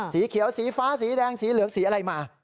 สีเขียวสีฟ้าสีแดงสีเหลืองสีอะไรมา